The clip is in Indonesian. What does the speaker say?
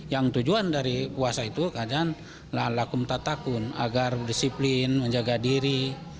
yang tujuan dari puasa itu kadang lakum tatakun agar disiplin menjaga diri